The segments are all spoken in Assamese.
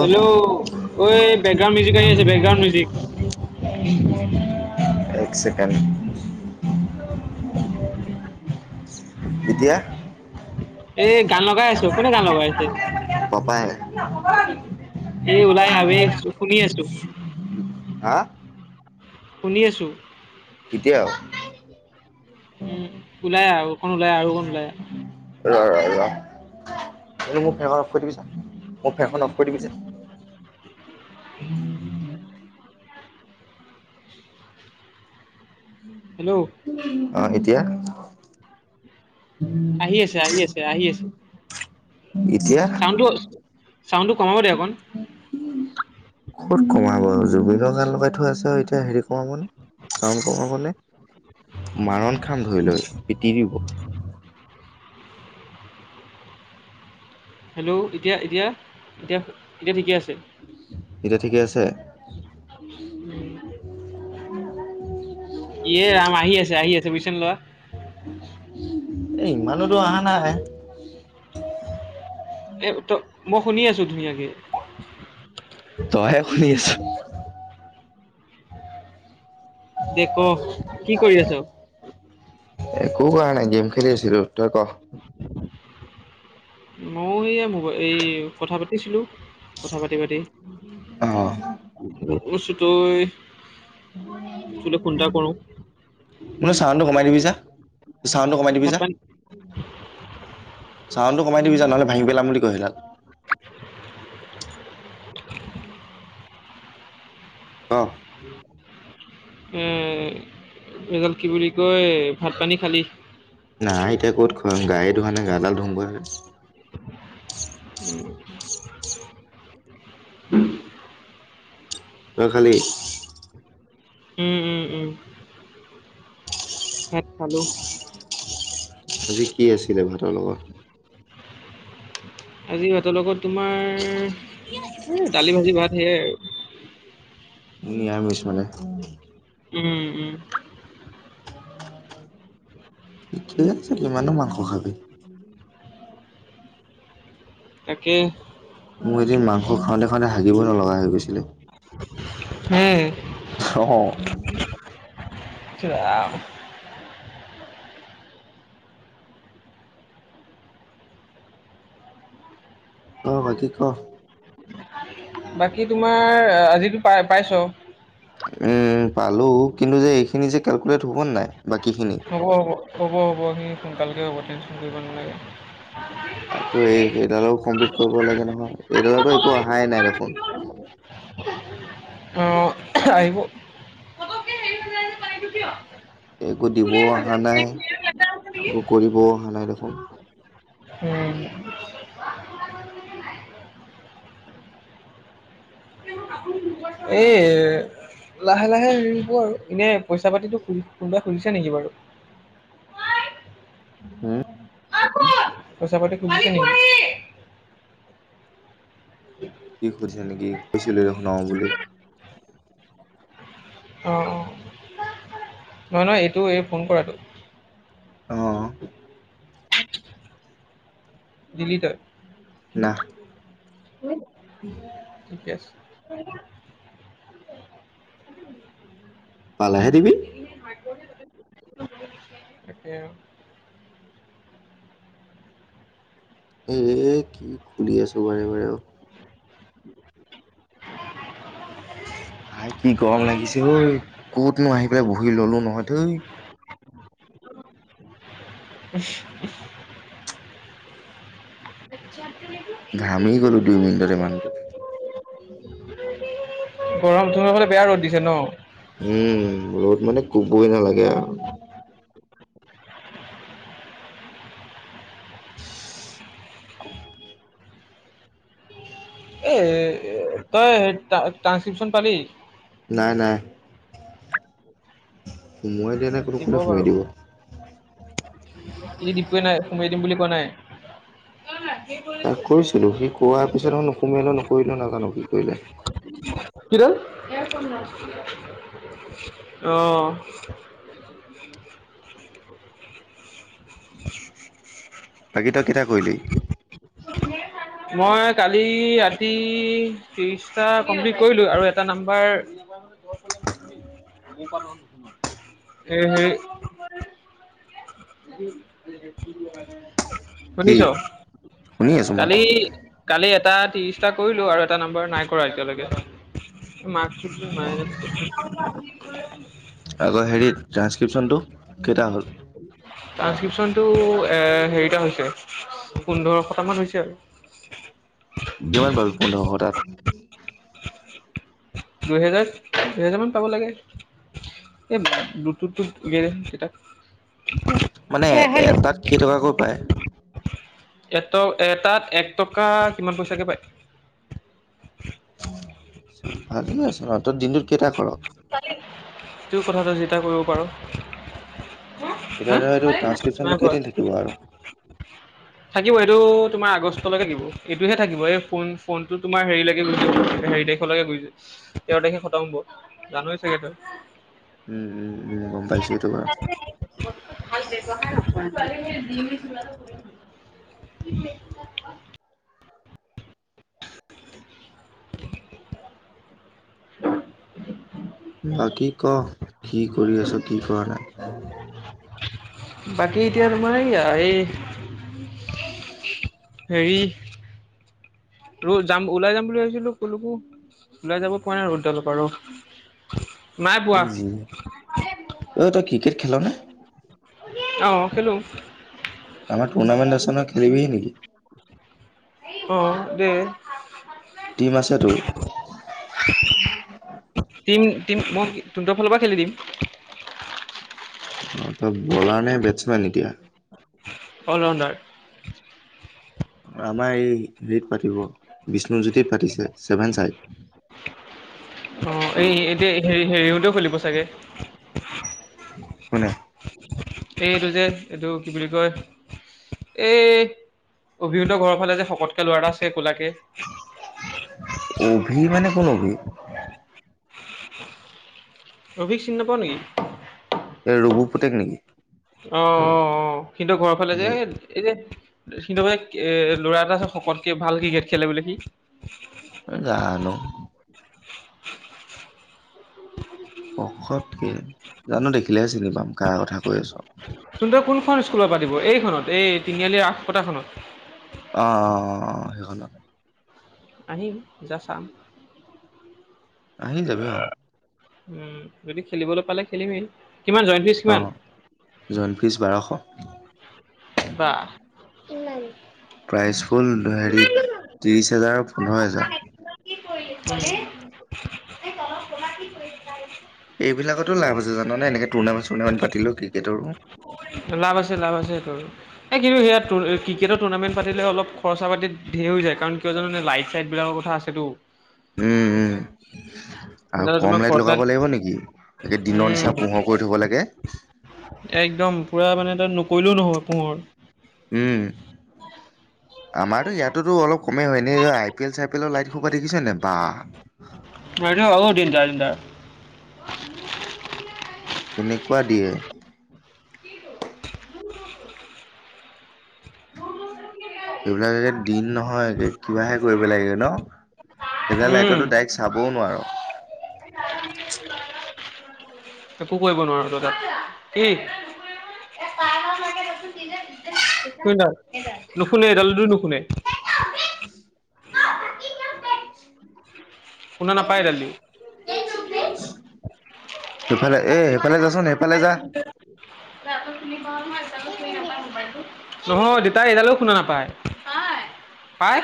হেল্ল' ঐ বেকগ্ৰাউণ্ড মিউজিক আহি আছে বেকগ্ৰাউণ্ড মিউজিক। [unintelligible] একক ছেকেণ্ড। এতিয়া? এই গান লগাই আছ, কোনে গান লগাই আছে? পপাই। এই ওলাই আহ এই শুনি আছো [unintelligible] হা? শুনি আছোঁ। এতিয়াও? উম, ওলাই আহ আৰু অকন ওলাই আহ আৰু অকন ওলাই আহ। ৰ ৰ ৰ [unintelligible] মোক ফেনখন অফ কৰি দিবিচোন, মোৰ ফেনখন অফ কৰি দিবিচোন। [inaudible] হেল্ল'? অ', এতিয়া? আহি আছে আহি আছে আহি আছে। এতিয়া? ছাউণ্ডটো ছাউণ্ডটো কমাব দে অকণ। ক'ত কমাব আৰু! জুবিনৰ গান লগাই থোৱা আছে আৰু এতিয়া হেৰি কমাবনে চাউণ্ড কমাবনে। মাৰণ খাম ধৰি লৈ পিটি দিব। হেল্ল' এতিয়া এতিয়া এতিয়া এতিয়া ঠিকে আছে। এতিয়া ঠিকে আছে? উম। ইয়ে ৰাম আহি আছে আহি আছে বৈচনে লৰা। এ ইমানোতো অহা নাই। এই ত মই শুনি আছোঁ ধুনীয়াকে। তইহে শুনি আছ। দে ক কি কৰি আছ? একো কৰা নাই গেম খেলি আছিলো, তই ক? [unintelligible] মও এইয়া মবাই এই কথা পাতিছিলোঁ কথা পাতি পাতি অ [unintelligible] তই তোলে ফোন এটা কৰো। মোলে চাউণ্ডটো কমাই দিবি যা চাউণ্ডটো কমাই দিববি ভাত যা। পানী [inaudible] চাউণ্ডটো কমাই দিবি যা নহ'লে ভাঙি পেলাম বুলি ক সেইডাল। অহ। এ এই ডাল কি বুলি কয়, ভাত পানী খালী। নাই এতিয়া ক'ত খোৱা হয়, সেইটো কাৰণে গাডাল ধুওঁ গৈ। উম। তই খালি। উম উম উম। ভাত খালো। আজি কি আছিলে ভাতৰ লগত। আজি ভাতৰ লগত তোমাৰ, এ দালি ভাজি ভাত। স। [unintelligible] নিৰামিষ মানে। উম উম। কিমান নো মাংস খাবি। [unintelligible] তাকে। মোৰ যে মাংস খাওঁতে খাওঁতে হাগিবই নলগা হৈ গৈছিলে। সেইয়াই। অ'। কৰা। [unintelligible] ক বাকী ক। বাকী তোমাৰ আজি টো পাই পাইছ। উম পালো, কিন্তু যে এইখিনি যে কেলকুলেট হ'ব নে নাই। বাকীখিনি হ'ব হ'ব হ'ব হ'ব, সি সোনকালকে হ'ব টেনচন কৰিব নালাগে। আকৌ, এই এইডালো কমপ্লিট কৰিব লাগে নহয়। এইডালতো একো অহাই নাই দেখোন। অ', আহিব। [unintelligible] একো দিবও অহা নাই, একো কৰিবও অহা নাই দেখোন। অঁ উম। এই লাহে লাহে এৰিব আৰু এনেই পইচা পাতিটো কোনোবাই খোজিছে নেকি বাৰু। হম। [unintelligible] পইচা পাতি খুজিছে নেকি? উ। কি সুধিছে নেকি, কৈছিলো যে হুনাও বুলি অঁ অঁ নহয় নহয়, এইটো এই ফোন কৰাটো। অঁ'। দিলি তই। নাহ। ঠিকে আছে। নে। পালাহে দিবি [unintelligible] তাকে। [unintelligible] এ কি খুলি আছ বাৰে বাৰে অ'। [inaudible] ভাই কি গৰম লাগিছে ঐ, ক'তনো আহি পেলাই বহি ল'লোঁ নহয় থুই। [inaudible] [inaudible] ঘামি গলো দুই মিনিটতে ইমান গৰম তোমা ফালে বেয়া ৰ'দ দিছে ন। উম ৰ'দ মানে কোবই নালাগে আউ। অহ [unintelligible] এ তই টা ট্ৰানছক্ৰিপচন পালি নাই নাই মই দিব বাৰু এ দিপোৱে নাই সোমিয়াই দিম বুলি কোৱা নাই অ হয় [unintelligible] তাক কৈছিলো সি কোৱাৰ পিছত নুসুমিয়ালে নকৰিলে নাজানো কি কৰিলে কিটো অ [inaudible] বাকী তই কেইটা কৰিলি মই কালি ৰাতি ত্ৰিশটা কমপ্লিট কৰিলো আৰু এটা নাম্বাৰ হে সেই কি শুনিছ শুনি আছো মই কালি কালি এটা ত্ৰিশটা কৰিলো আৰু এটা নাম্বৰ নাই কৰা এতিয়ালৈকে মাক কি মায়োজ [unintelligible] আকৌ হেৰিত ট্ৰানসক্ৰিপশন টো কেইটা হ'ল ট্ৰানসক্ৰিপচনটো এ হেৰিটা হৈছে পোন্ধৰশ টা মান হৈছে কিমান বাৰু পোন্ধৰশ তাত দুহেজাৰ দুহেজাৰ মান পাব লাগে এইব দুুটুত গেটা [unintelligible] মানে এটাত কেইটকাকৈ পায় এট এটাত এক টকা কিমান পইচাকে পায় ছা ভালে আছে বা তই দিনটোত কেইটা কৰ তোৰ কথা তই যেইতা কৰিব পাৰ এতিয়া হা ধৰা এইটো ট্ৰানসক্ৰিপশ্যনটো নাই কেইদিন থাকিব আৰু কোৱা থাকিব এইটো তোমাৰ আগষ্টলৈ থাকিব এইটোহে থাকিব এই ফোন ফোনটো তোমাৰ হেৰিলৈকে গুছি যাব হেৰি তা কলেকে গৈছ তেৰ তাৰিখে খতম হব জানৱে চাগে তই উম উম গম পাইছোঁ এইটো বাউ ভাল ব্যবহাৰ [unintelligible] [unintelligible] বাকী ক কি কৰি আছ কি কৰা নাই বাকী এতিয়া তোমাৰ এইয়া এই হেৰি টো যাম ওলাই যাম বুলি ভাবিছিলো কলোকো ওলাই যাব পৰা নাই ৰদ দাল পৰা আৰু এ জি অই তই ক্ৰিকেট খেল নে অঁ খেলো আমাৰ টুৰ্ণামেণ্ট আছে নহয় খেলিবিহি নেকি অহ দে টিম আছে তোৰ টিম টিম মই টোটৰ ফালৰ পৰা খেলি দিম অ তই বলাৰ নে বেটছো আনি দিয়া অল ৰাউণ্ডাৰ আমাৰ এই হেৰিত পাতিব, বিষ্ণুজ্যোতিত পাতিছে ছেভেন চাইড অঁ, এই এতিয়া হে হেৰিওটো খুলিব চাগে? কোনে? এইটো যে এইটো কি বুলি কয়? এইট্, অভিহঁতৰ ঘৰৰ ফালে যে শকতকে ল'ৰা এটা আছে কোলাকে। অভি মানে, কোন অভি? অভিক চিনি নাপাৱ নেকি? এই ৰুবু পুতেক নেকি? অঁ, অঁ অঁ সিহঁতৰ ঘৰৰ ফালে যে এই যে সিহঁতঘৰে এ ল'ৰা এটা আছে শকতকে ভাল ক্ৰিকেট খেলে বোলে সি? এ জানো শকতকে জানো, দেখিলেহে চিনি পাম কাৰ কথা কৈ আছ। তোহঁতৰ কোনখন স্কুলত পাতিব? এইখনত, এই তিনিআলি ৰাস পতাখনত? অঁ, অঁ, অঁ সেইখনত। আহিম, জাষ্ট চাম। আহি যাবি অঁ। উম, যদি খেলিবলৈ পালে খেলিমেই। কিমান, জইণ্ট ফিজ কিমান? জইণ্টফিছ বাৰশ। বাহ! ইমান! প্ৰাইচ ফুল হেৰিত ত্ৰিছ হেজাৰ আৰু পোন্ধৰ হেজাৰ। এইফালে। এইবিলাকটো লাভ আছে জাননে এনেক টুৰ্ণামেট-চুৰ্ণামেট পাতিলেও ক্ৰিকেটৰো। লাভ আছে, লাভ আছে সেইটোৰ। এই কিন্তু সেয়াত টুৰ্ এ ক্ৰিকেটৰ টুৰ্ণামেণ্ট পাতিলে অলপ খৰচা-পাতি ধেই হৈ যায়। কাৰণ, কিয় জাননে? লাইট-চাইট বিলাকৰ ক থা আছেটো। উম, উম। আৰু সেইকাৰণে তোমাৰ কম লাইট খৰচা লগাব লাগিব নেকি? একে দিনৰ নিচিনা উম পোহৰ কৰি থব লাগে। একদম পুৰা মানে, তাত নকৰিলেও নহব পোহৰ। উম। আমাৰটো ইয়াততোটো অলপ কমে হয়। এনে আই পি এল- চাই পি এলৰ লাইট সোপা দেখিছেনে নাই? বা! মেজৰ আৰু তিনটা তিনটা। কেনেকুৱা দিয়ে! ভুং, ভুঙ কোনদিগি যায়। এইবিলাক যেন দিন নহয়, কি কিবাহে কৰি পেলাইগে ন'? এইবিলাক লাইটতটো উম ডাৰেক্ট চাবও নোৱাৰ। একো কৰিব নোৱাৰো তই তাত। ঐ ল'ৰা, কি? [unintelligible] কোন ডাল? এইডাল, নুশুনে, এইডালটো নুশুনে। শুনা নাপায় এইডালদি। সিফালে এ এফালে যাচোন, এফালে যা। তই আচল চিনি পাৱ নহয়, এইডালো চিনি নাপাই মোবাইলটো। নহয়, দেউতাই এইডালো শুনা নাপায়। পায়। পায়!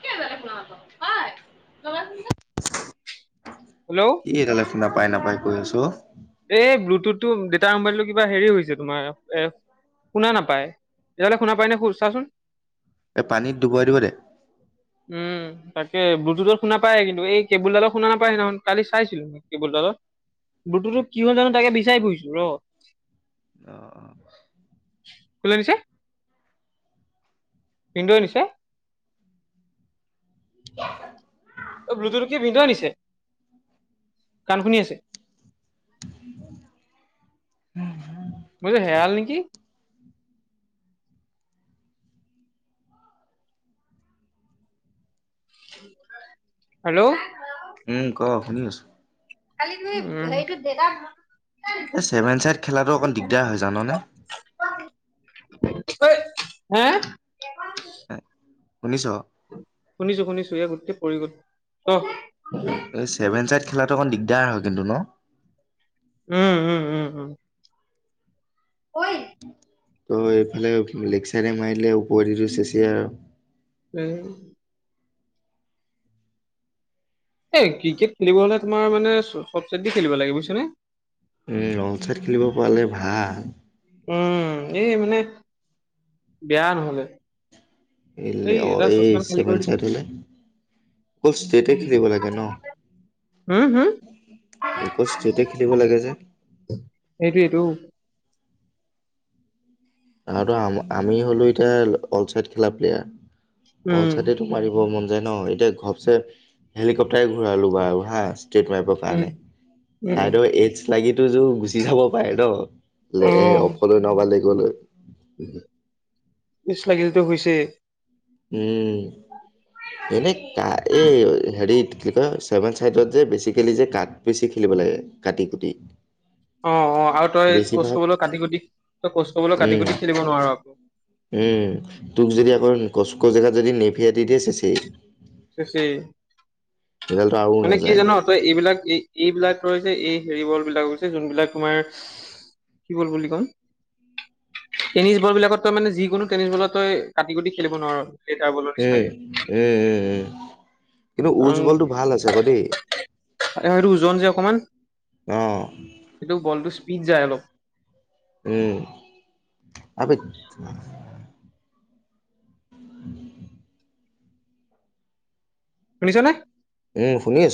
কিয়? এইডালে শুনা নাপাৱ, পায়। লগাই চাচোন যা। হেল্ল! ই এইডালে শুনা পায় নাপাই কৈ আছ অ'। এই ব্লুটুথটো ডেতাৰ মোবাইলটো কিবা হেৰি হৈছে তোমাৰ এ। শুনা নাপায়। এইডালে শুনা পায়নে চাচোন। এই পানীত ডুবাই দিব দে। [inaudible] উম তাকে, ব্লুটুথত শুনা পায় কিন্তু এই কেবুলডালত শুনা নাপায় সেইদিনাখন কালি চাইছিলো। কেবুলডালত, ব্লুটুথত টো কি হ'ল জানো তাকে বিচাৰি ফুৰিছো ৰ। অৱ। কোলৈ নিছে? ভিনদেউৱে নিছে। [unintelligible] অ' ব্লুটুথতু কি ভিনদেউৱে নিছে গান শুনি আছে। [unintelligible] বোলো হেয়াল নেকি? হেল্ল'। উম ক শুনি আছোঁ। কালি তুমি হেৰীতু জেগাত এই ছেভেন চাইড খেলাটো অণ দিগদাৰ হয় জাননে। [unintelligible] শুনিচ। শুনিছো শুনিছো ইয়া গোটেই পৰি গত অ'। এই ছেভেন চাইড খেলাটো অকণ দিগদাৰ হয় কিন্তু ন। উম উম উম উম। ঐ তই এইফালে লেকচাইডে মাৰিলে ওপদিটো চেচিয়ই আৰু। এই। এই ক্ৰিকেট খেলিব হলে তোমাৰ মানে চ চেট দি খেলিব লাগে বুজইছ নে। উম ৰং চাইট খেলিব পালে ভাল। উম এই মানে বেয়া নহ'লে। এই লে এটা এই চচপেন খালী চভেন কৰি দিছো চাইড হ'লে, অকল ষ্টেট খেলিব লাগে ন। উম হুম। অকল ষ্টেটে খেলিব লাগে যে। এইটোইটো। আৰু আম আমি হ'লোঁ এতিয়া অল চাইড খেলা প্লেয়াৰ অল উম চাইডেতো মাৰিব মন যায় ন এতিয়া ঘপচ হেলিকপটাৰে ঘূৰালো বু হা ষ্টেট মাৰিব উম কাৰণে উম চাইদেউ এইডছ লাগিতু যো গুচি যাব পাৰে ন। [unintelligible] [unintelligible] লাগিলটো হৈছে। উম এনে ক এই হেৰিত কি কয় চছেভেন চাইডত যে বেচিকেলি যে কাঠ বেছি খেলিব লাগে কাটি কুটি। অৱ অৱ আৰু তই কোচ বেছিভাগ কবলৈ কাটি কুটি তই কোচ কবলৈ কাটি উম কুটি খেলিব নোৱাৰঅ। উম তোক যদি আকৌ কচক জেগাত যদি নেফিয়া দি দিয়ে ছেচেই। চচেই, ৰিজাল্টটো আৰু মানে কি নাযায় জান তই এইবিলাক এই এইবিলাক হৈছে এই হেৰিবলবিলাক হৈছে যোনবিলাক তোমাৰ কি ব'ল বুলি কম! টেনিছ বল বিলাকত তই মানে যিকোনো টেনিছ বলত তই কাটি কুটি খেলিব নোৱাৰ। লেডাৰ বলৰ এ নিচিনাকে এ এ এ কিন্তু উজ্ববলটো ভাল আছে আক দেই। এ সেটো ওজন যে অকমান অ সেইটো বলটো স্পীড যায় অলপ। উম আক [unintelligible] শুনিছনে। উম শুনি আছো।